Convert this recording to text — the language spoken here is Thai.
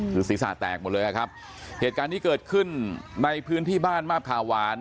คือศีรษะแตกหมดเลยอะครับเหตุการณ์นี้เกิดขึ้นในพื้นที่บ้านมาบคาหวาน